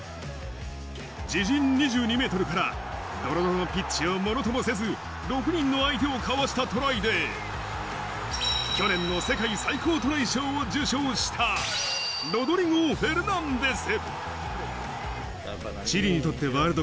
自陣２２ｍからドロドロのピッチをものともせず、６人の相手をかわしたトライで、去年の世界最高トライ賞を受賞したロドリゴ・フェルナンデス。